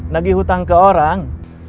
nagih hutang ke orang